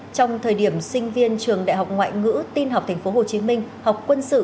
trong thời điểm sinh viên trường đại học ngoại ngữ tin học tp hcm học quân sự